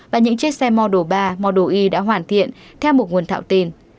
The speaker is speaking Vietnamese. và những chiếc xe model ba model y đã hoàn thiện theo một nguồn thạo tin